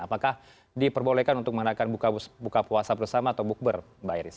apakah diperbolehkan untuk mengadakan buka puasa bersama atau bukber mbak iris